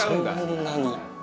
そんなに？